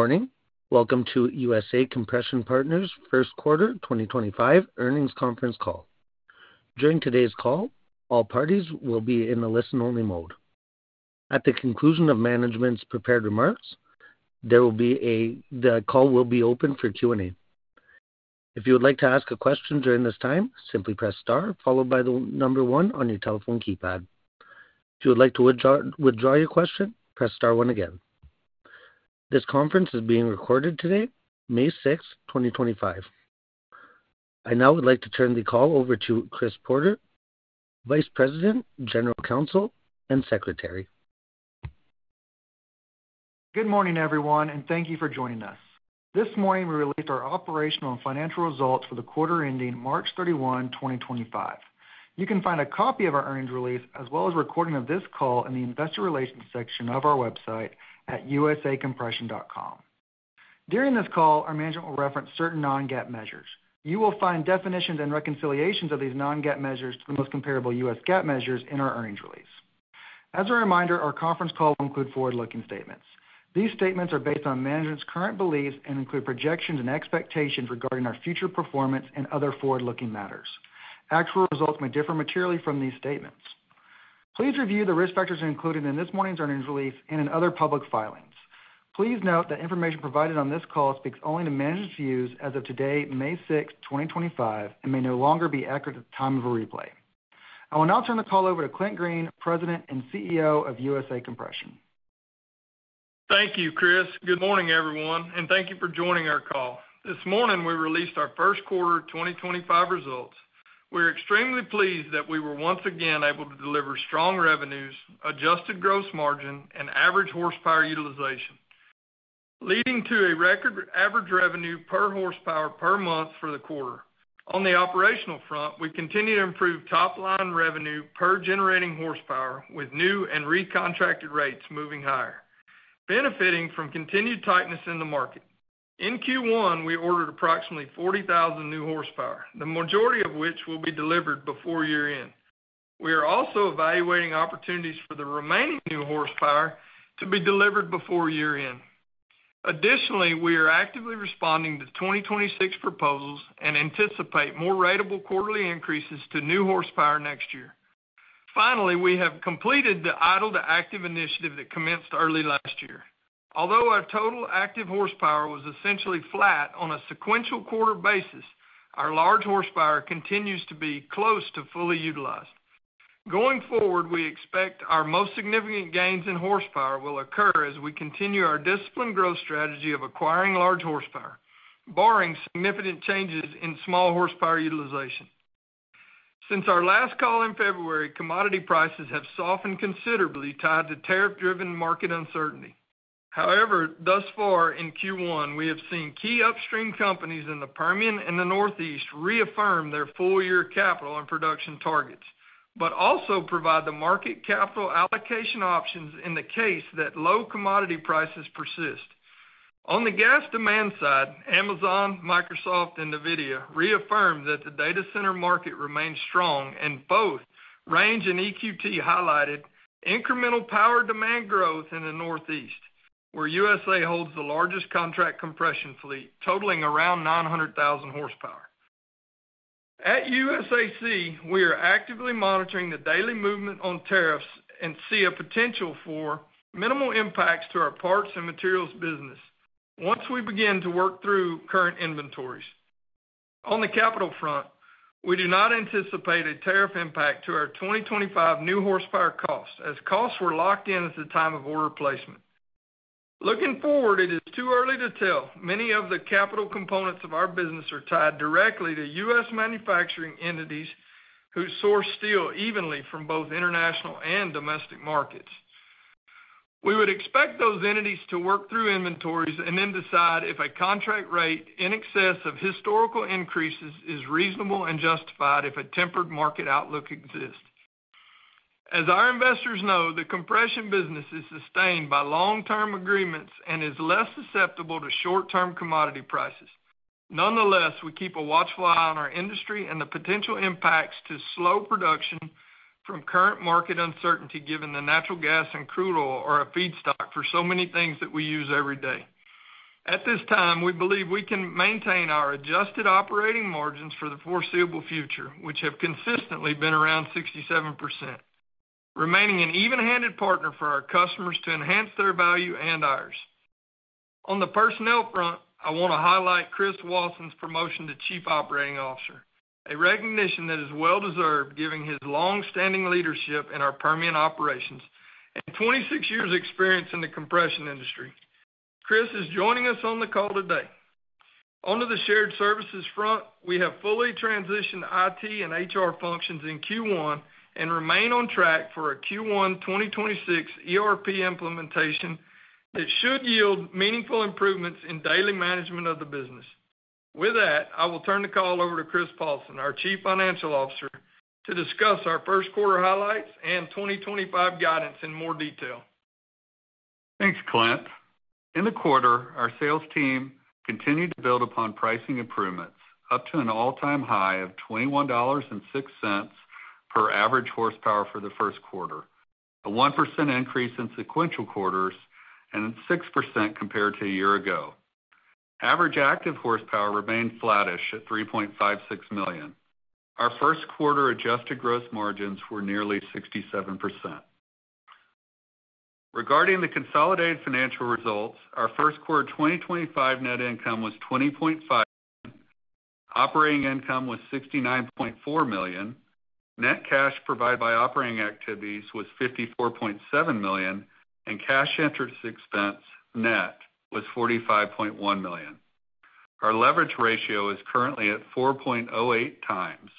Good morning. Welcome to USA Compression Partners' first quarter 2025 earnings conference call. During today's call, all parties will be in the listen-only mode. At the conclusion of management's prepared remarks, the call will be open for Q&A. If you would like to ask a question during this time, simply press star followed by the number one on your telephone keypad. If you would like to withdraw your question, press star one again. This conference is being recorded today, May 6, 2025. I now would like to turn the call over to Chris Porter, Vice President, General Counsel, and Secretary. Good morning, everyone, and thank you for joining us. This morning, we released our operational and financial results for the quarter ending March 31, 2025. You can find a copy of our earnings release as well as a recording of this call in the Investor Relations section of our website at usacompression.com. During this call, our management will reference certain non-GAAP measures. You will find definitions and reconciliations of these non-GAAP measures to the most comparable U.S. GAAP measures in our earnings release. As a reminder, our conference call will include forward-looking statements. These statements are based on management's current beliefs and include projections and expectations regarding our future performance and other forward-looking matters. Actual results may differ materially from these statements. Please review the risk factors included in this morning's earnings release and in other public filings. Please note that information provided on this call speaks only to management's views as of today, May 6, 2025, and may no longer be accurate at the time of a replay. I will now turn the call over to Clint Green, President and CEO of USA Compression. Thank you, Chris. Good morning, everyone, and thank you for joining our call. This morning, we released our first quarter 2025 results. We are extremely pleased that we were once again able to deliver strong revenues, adjusted gross margin, and average horsepower utilization, leading to a record average revenue per horsepower per month for the quarter. On the operational front, we continue to improve top-line revenue per generating horsepower with new and recontracted rates moving higher, benefiting from continued tightness in the market. In Q1, we ordered approximately 40,000 new horsepower, the majority of which will be delivered before year-end. We are also evaluating opportunities for the remaining new horsepower to be delivered before year-end. Additionally, we are actively responding to 2026 proposals and anticipate more ratable quarterly increases to new horsepower next year. Finally, we have completed the idle-to-active initiative that commenced early last year. Although our total active horsepower was essentially flat on a sequential quarter basis, our large horsepower continues to be close to fully utilized. Going forward, we expect our most significant gains in horsepower will occur as we continue our disciplined growth strategy of acquiring large horsepower, barring significant changes in small horsepower utilization. Since our last call in February, commodity prices have softened considerably tied to tariff-driven market uncertainty. However, thus far in Q1, we have seen key upstream companies in the Permian and the Northeast reaffirm their full-year capital and production targets, but also provide the market capital allocation options in the case that low commodity prices persist. On the gas demand side, Amazon, Microsoft, and NVIDIA reaffirmed that the data center market remains strong, and both Range and EQT highlighted incremental power demand growth in the Northeast, where USA holds the largest contract compression fleet totaling around 900,000 horsepower. At USAC, we are actively monitoring the daily movement on tariffs and see a potential for minimal impacts to our parts and materials business once we begin to work through current inventories. On the capital front, we do not anticipate a tariff impact to our 2025 new horsepower costs as costs were locked in at the time of order placement. Looking forward, it is too early to tell. Many of the capital components of our business are tied directly to U.S. manufacturing entities who source steel evenly from both international and domestic markets. We would expect those entities to work through inventories and then decide if a contract rate in excess of historical increases is reasonable and justified if a tempered market outlook exists. As our investors know, the compression business is sustained by long-term agreements and is less susceptible to short-term commodity prices. Nonetheless, we keep a watchful eye on our industry and the potential impacts to slow production from current market uncertainty given that natural gas and crude oil are a feedstock for so many things that we use every day. At this time, we believe we can maintain our adjusted operating margins for the foreseeable future, which have consistently been around 67%, remaining an even-handed partner for our customers to enhance their value and ours. On the personnel front, I want to highlight Chris Wauson's promotion to Chief Operating Officer, a recognition that is well-deserved given his long-standing leadership in our Permian operations and 26 years' experience in the compression industry. Chris is joining us on the call today. Onto the shared services front, we have fully transitioned IT and HR functions in Q1 and remain on track for a Q1 2026 ERP implementation that should yield meaningful improvements in daily management of the business. With that, I will turn the call over to Chris Paulsen, our Chief Financial Officer, to discuss our first quarter highlights and 2025 guidance in more detail. Thanks, Clint. In the quarter, our sales team continued to build upon pricing improvements up to an all-time high of $21.06 per average horsepower for the first quarter, a 1% increase in sequential quarters and a 6% compared to a year ago. Average active horsepower remained flattish at $3.56 million. Our first quarter adjusted gross margins were nearly 67%. Regarding the consolidated financial results, our first quarter 2025 net income was $20.5 million, operating income was $69.4 million, net cash provided by operating activities was $54.7 million, and cash interest expense net was $45.1 million. Our leverage ratio is currently at 4.08 times.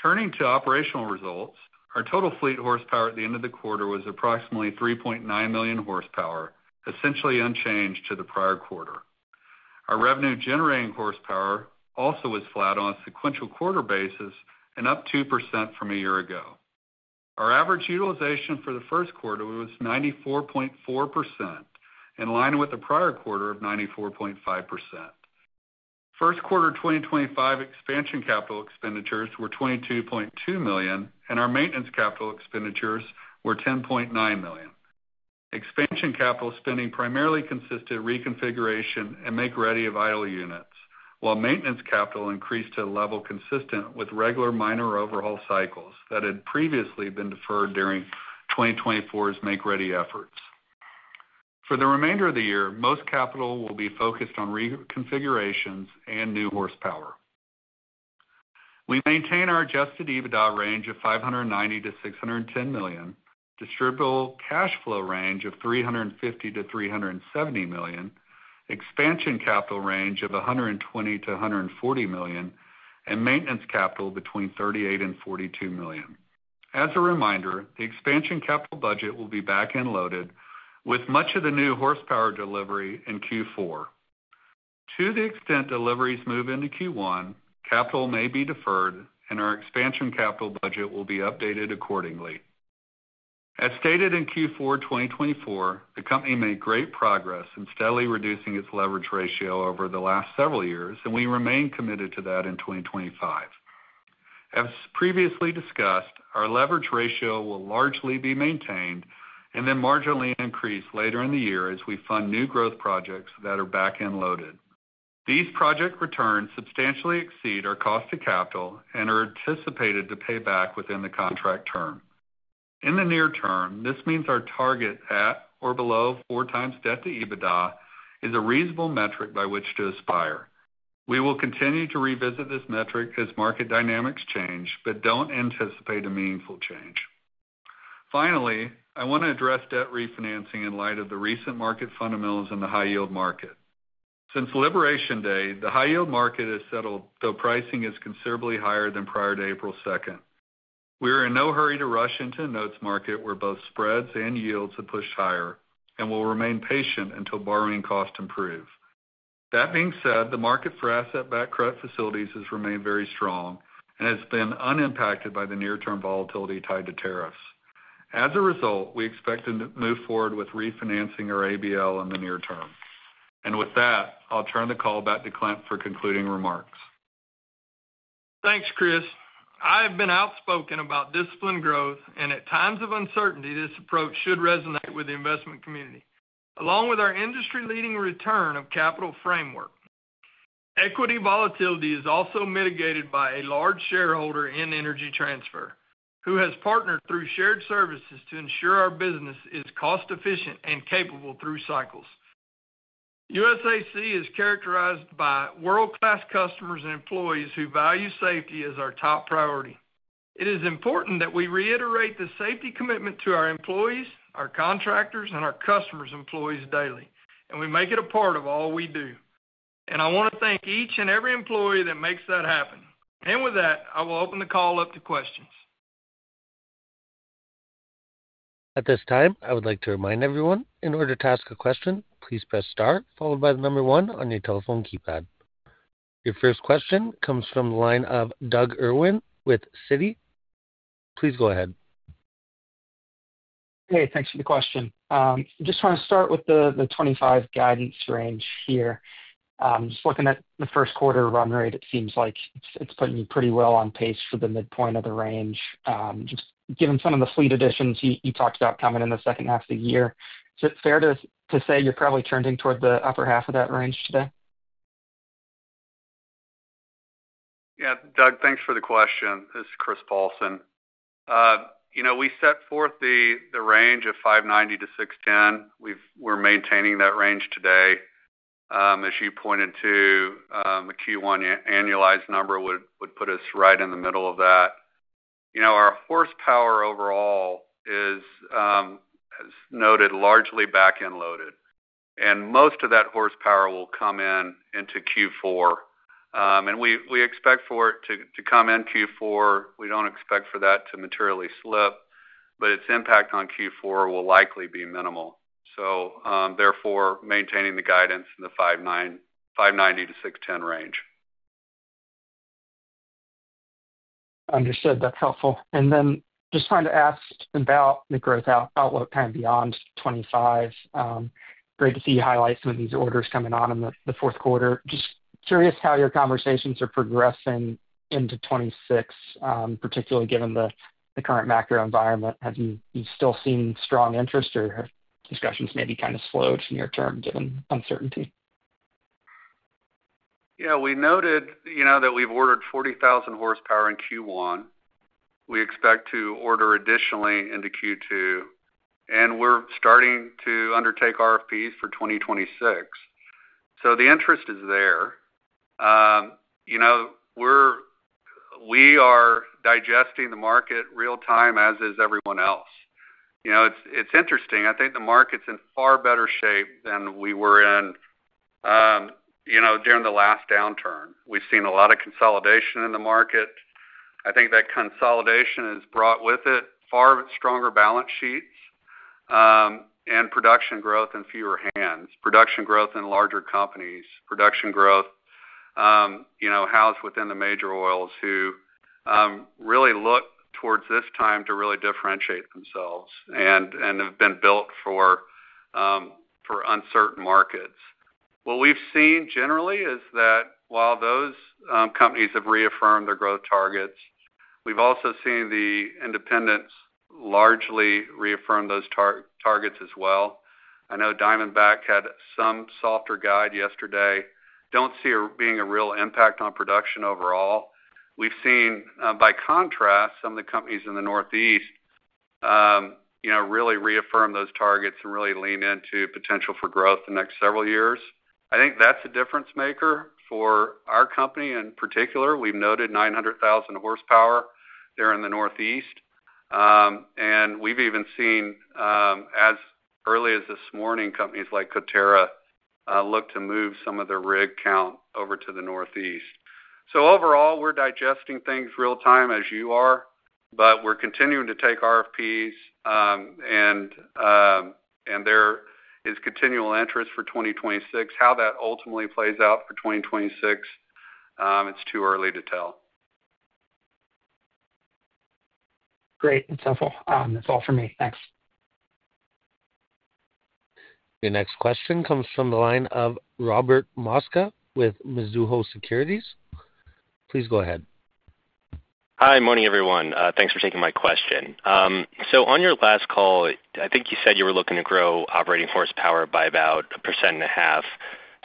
Turning to operational results, our total fleet horsepower at the end of the quarter was approximately 3.9 million horsepower, essentially unchanged to the prior quarter. Our revenue-generating horsepower also was flat on a sequential quarter basis and up 2% from a year ago. Our average utilization for the first quarter was 94.4%, in line with the prior quarter of 94.5%. First quarter 2025 expansion capital expenditures were $22.2 million, and our maintenance capital expenditures were $10.9 million. Expansion capital spending primarily consisted of reconfiguration and make-ready of idle units, while maintenance capital increased to a level consistent with regular minor overhaul cycles that had previously been deferred during 2024's make-ready efforts. For the remainder of the year, most capital will be focused on reconfigurations and new horsepower. We maintain our adjusted EBITDA range of $590 million to $610 million, distributable cash flow range of $350 million to $370 million, expansion capital range of $120 million to $140 million, and maintenance capital between $38 million and $42 million. As a reminder, the expansion capital budget will be back-end loaded with much of the new horsepower delivery in Q4. To the extent deliveries move into Q1, capital may be deferred, and our expansion capital budget will be updated accordingly. As stated in Q4 2024, the company made great progress in steadily reducing its leverage ratio over the last several years, and we remain committed to that in 2025. As previously discussed, our leverage ratio will largely be maintained and then marginally increase later in the year as we fund new growth projects that are back and loaded. These project returns substantially exceed our cost to capital and are anticipated to pay back within the contract term. In the near term, this means our target at or below 4x debt to EBITDA is a reasonable metric by which to aspire. We will continue to revisit this metric as market dynamics change, but don't anticipate a meaningful change. Finally, I want to address debt refinancing in light of the recent market fundamentals in the high-yield market. Since Liberation Day, the high-yield market has settled, though pricing is considerably higher than prior to April 2nd. We are in no hurry to rush into a notes market where both spreads and yields have pushed higher and will remain patient until borrowing costs improve. That being said, the market for asset-backed credit facilities has remained very strong and has been unimpacted by the near-term volatility tied to tariffs. As a result, we expect to move forward with refinancing our ABL in the near-term. With that, I'll turn the call back to Clint for concluding remarks. Thanks, Chris. I have been outspoken about discipline growth, and at times of uncertainty, this approach should resonate with the investment community, along with our industry-leading return of capital framework. Equity volatility is also mitigated by a large shareholder in Energy Transfer, who has partnered through shared services to ensure our business is cost-efficient and capable through cycles. USAC is characterized by world-class customers and employees who value safety as our top priority. It is important that we reiterate the safety commitment to our employees, our contractors, and our customers' employees daily, and we make it a part of all we do. I want to thank each and every employee that makes that happen. With that, I will open the call up to questions. At this time, I would like to remind everyone, in order to ask a question, please press star followed by the number one on your telephone keypad. Your first question comes from the line of Doug Irwin with Citi. Please go ahead. Hey, thanks for the question. I just want to start with the 2025 guidance range here. Just looking at the first quarter run rate, it seems like it's putting you pretty well on pace for the midpoint of the range. Just given some of the fleet additions you talked about coming in the second half of the year, is it fair to say you're probably trending toward the upper half of that range today? Yeah, Doug, thanks for the question. This is Chris Paulsen. You know, we set forth the range of $590 million to $610 million. We're maintaining that range today. As you pointed to, the Q1 annualized number would put us right in the middle of that. You know, our horsepower overall is, as noted, largely back-end loaded. Most of that horsepower will come in into Q4. We expect for it to come in Q4. We don't expect for that to materially slip, but its impact on Q4 will likely be minimal. Therefore, maintaining the guidance in the $590 million to $610 million range. Understood. That's helpful. Just trying to ask about the growth outlook kind of beyond 2025. Great to see you highlight some of these orders coming on in the fourth quarter. Just curious how your conversations are progressing into 2026, particularly given the current macro environment. Have you still seen strong interest, or have discussions maybe kind of slowed from your term given uncertainty? Yeah, we noted, you know, that we've ordered 40,000 horsepower in Q1. We expect to order additionally into Q2. We are starting to undertake RFPs for 2026. The interest is there. You know, we are digesting the market real-time as is everyone else. You know, it's interesting. I think the market's in far better shape than we were in, you know, during the last downturn. We've seen a lot of consolidation in the market. I think that consolidation has brought with it far stronger balance sheets and production growth in fewer hands, production growth in larger companies, production growth, you know, housed within the major oils who really look towards this time to really differentiate themselves and have been built for uncertain markets. What we've seen generally is that while those companies have reaffirmed their growth targets, we've also seen the independents largely reaffirm those targets as well. I know Diamondback had some softer guide yesterday. Do not see it being a real impact on production overall. We have seen, by contrast, some of the companies in the Northeast, you know, really reaffirm those targets and really lean into potential for growth the next several years. I think that is a difference maker for our company in particular. We have noted 900,000 horsepower there in the Northeast. And we have even seen, as early as this morning, companies like Coterra look to move some of their rig count over to the Northeast. Overall, we are digesting things real-time as you are, but we are continuing to take RFPs. There is continual interest for 2026. How that ultimately plays out for 2026, it is too early to tell. Great. That's helpful. That's all for me. Thanks. The next question comes from the line of Robert Mosca with Mizuho Securities. Please go ahead. Hi, morning, everyone. Thanks for taking my question. On your last call, I think you said you were looking to grow operating horsepower by about 1.5%.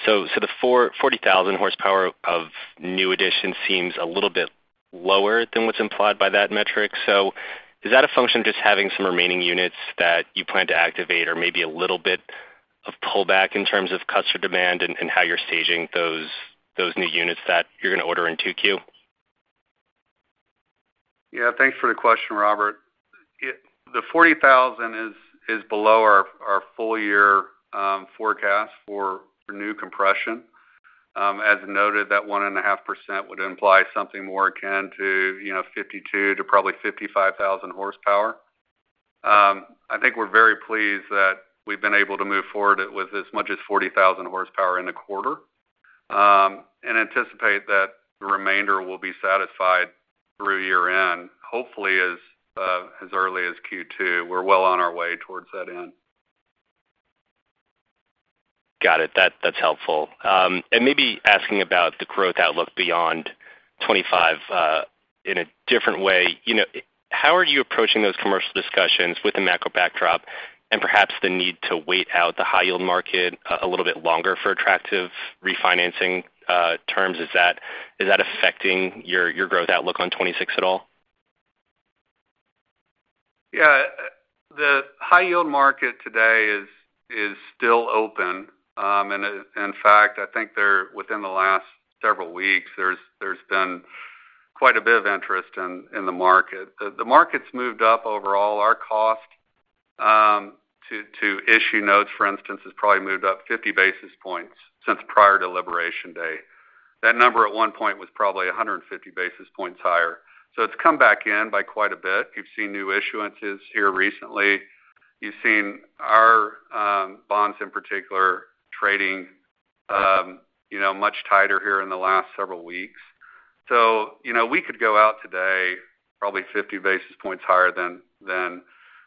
The 40,000 horsepower of new additions seems a little bit lower than what's implied by that metric. Is that a function of just having some remaining units that you plan to activate or maybe a little bit of pullback in terms of customer demand and how you're staging those new units that you're going to order in 2Q? Yeah, thanks for the question, Robert. The 40,000 is below our full-year forecast for new compression. As noted, that 1.5% would imply something more akin to, you know, 52,000 to probably 55,000 horsepower. I think we're very pleased that we've been able to move forward with as much as 40,000 horsepower in a quarter and anticipate that the remainder will be satisfied through year-end, hopefully as early as Q2. We're well on our way towards that end. Got it. That's helpful. Maybe asking about the growth outlook beyond 2025 in a different way, you know, how are you approaching those commercial discussions with the macro backdrop and perhaps the need to wait out the high-yield market a little bit longer for attractive refinancing terms? Is that affecting your growth outlook on 2026 at all? Yeah. The high-yield market today is still open. In fact, I think there within the last several weeks, there has been quite a bit of interest in the market. The market has moved up overall. Our cost to issue notes, for instance, has probably moved up 50 basis points since prior to Liberation Day. That number at one point was probably 150 basis points higher. It has come back in by quite a bit. You have seen new issuances here recently. You have seen our bonds in particular trading, you know, much tighter here in the last several weeks. You know, we could go out today probably 50 basis points higher than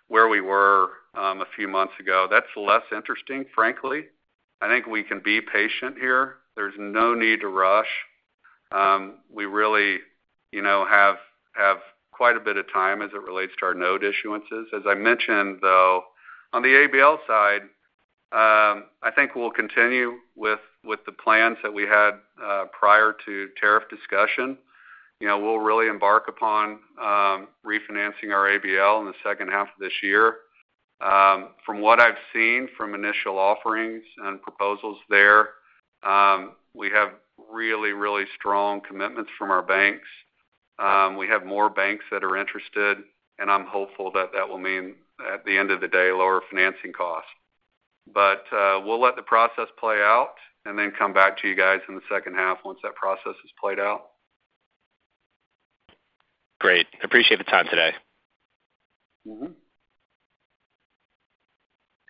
where we were a few months ago. That is less interesting, frankly. I think we can be patient here. There is no need to rush. We really, you know, have quite a bit of time as it relates to our note issuances. As I mentioned, though, on the ABL side, I think we'll continue with the plans that we had prior to tariff discussion. You know, we'll really embark upon refinancing our ABL in the second half of this year. From what I've seen from initial offerings and proposals there, we have really, really strong commitments from our banks. We have more banks that are interested, and I'm hopeful that that will mean, at the end of the day, lower financing costs. We'll let the process play out and then come back to you guys in the second half once that process has played out. Great. Appreciate the time today.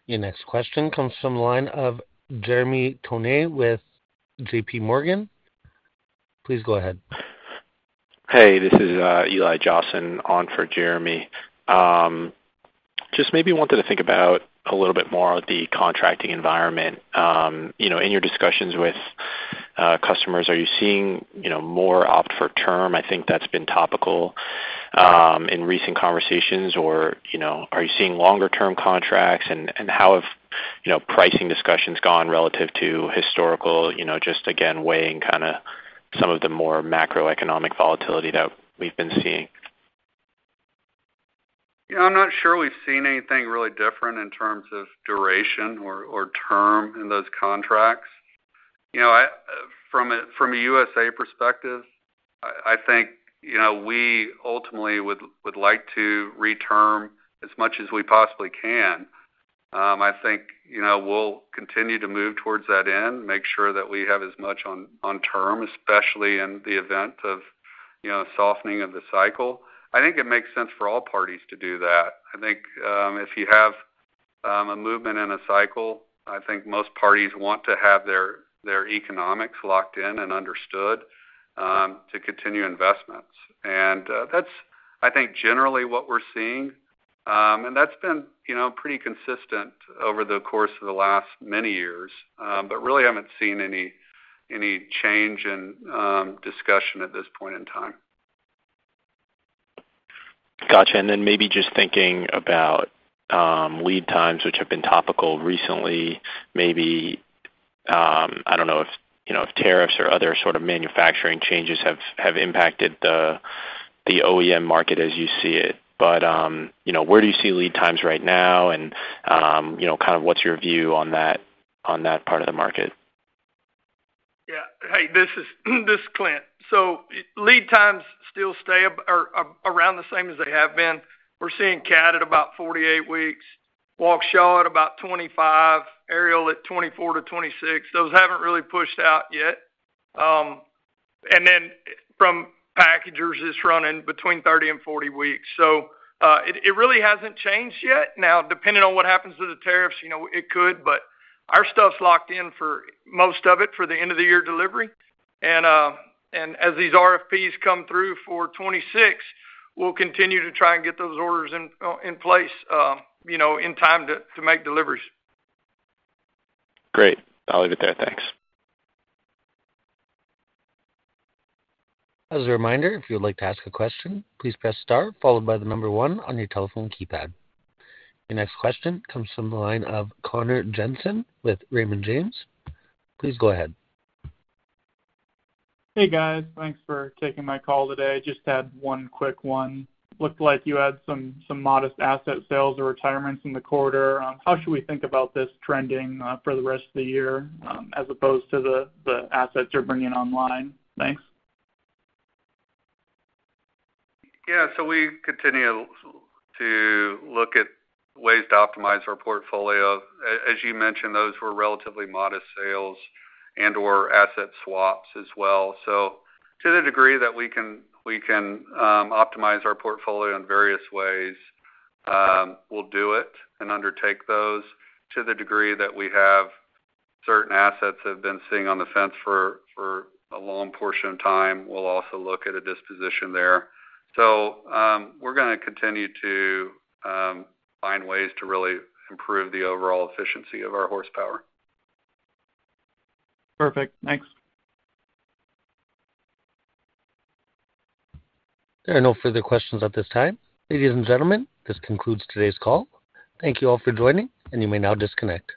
The next question comes from the line of Jeremy Tonet with JPMorgan. Please go ahead. Hey, this is Eli Jossen on for Jeremy. Just maybe wanted to think about a little bit more of the contracting environment. You know, in your discussions with customers, are you seeing, you know, more opt-for-term? I think that's been topical in recent conversations. Or, you know, are you seeing longer-term contracts? And how have, you know, pricing discussions gone relative to historical, you know, just, again, weighing kind of some of the more macroeconomic volatility that we've been seeing? You know, I'm not sure we've seen anything really different in terms of duration or term in those contracts. You know, from a USA perspective, I think, you know, we ultimately would like to re-term as much as we possibly can. I think, you know, we'll continue to move towards that end, make sure that we have as much on term, especially in the event of, you know, softening of the cycle. I think it makes sense for all parties to do that. I think if you have a movement in a cycle, I think most parties want to have their economics locked in and understood to continue investments. That's, I think, generally what we're seeing. That's been, you know, pretty consistent over the course of the last many years, but really haven't seen any change in discussion at this point in time. Gotcha. And then maybe just thinking about lead times, which have been topical recently, maybe, I don't know if, you know, if tariffs or other sort of manufacturing changes have impacted the OEM market as you see it. But, you know, where do you see lead times right now? And, you know, kind of what's your view on that part of the market? Yeah. Hey, this is Clint. Lead times still stay around the same as they have been. We're seeing Cat at about 48 weeks, Waukesha at about 25 weeks, Ariel at 24 weeks to 26 weeks. Those haven't really pushed out yet. From packagers, it's running between 30 weeks and 40 weeks. It really hasn't changed yet. Now, depending on what happens to the tariffs, you know, it could, but our stuff's locked in for most of it for the end-of-the-year delivery. As these RFPs come through for 2026, we'll continue to try and get those orders in place, you know, in time to make deliveries. Great. I'll leave it there. Thanks. As a reminder, if you would like to ask a question, please press star followed by the number one on your telephone keypad. The next question comes from the line of Connor Jensen with Raymond James. Please go ahead. Hey, guys. Thanks for taking my call today. Just had one quick one. Looked like you had some modest asset sales or retirements in the quarter. How should we think about this trending for the rest of the year as opposed to the assets you're bringing online? Thanks. Yeah. We continue to look at ways to optimize our portfolio. As you mentioned, those were relatively modest sales and/or asset swaps as well. To the degree that we can optimize our portfolio in various ways, we'll do it and undertake those. To the degree that we have certain assets that have been sitting on the fence for a long portion of time, we'll also look at a disposition there. We are going to continue to find ways to really improve the overall efficiency of our horsepower. Perfect. Thanks. There are no further questions at this time. Ladies and gentlemen, this concludes today's call. Thank you all for joining, and you may now disconnect.